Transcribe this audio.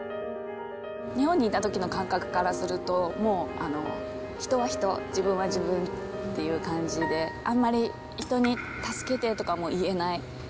日本にいたときの感覚からすると、もう人は人、自分は自分っていう感じで、あんまり人に助けてとかも言えない。